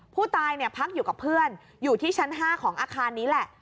ผู้ตายพักอยู่กับเพื่อนอยู่ที่ชั้น๕ของอาคารนี้แหละ